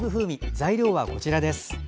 材料はこちらです。